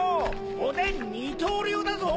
おでん二刀流だぞ！